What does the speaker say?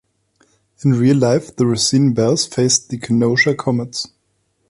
In real life, the Racine Belles faced the Kenosha Comets.